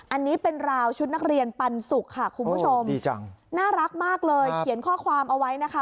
อันนี้เป็นราวชุดนักเรียนปันสุกค่ะคุณผู้ชมดีจังน่ารักมากเลยเขียนข้อความเอาไว้นะคะ